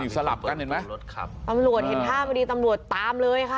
สลับกันเห็นไหมตำรวจเห็นภาพฯตำรวจตามเลยค่ะ